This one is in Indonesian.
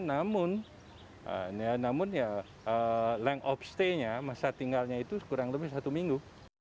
namun yang off stay nya masa tinggalnya itu kurang lebih satu minggu